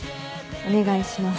お願いします。